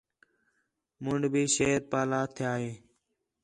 منݙ بھی شیر پاہلا تِھیا ہِے